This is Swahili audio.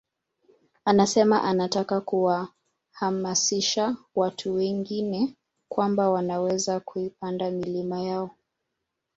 Anasema anataka kuwahamasisha watu wengine kwamba wanaweza kuipanda milima yao